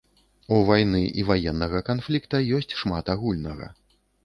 У вайны і ваеннага канфлікта ёсць шмат агульнага.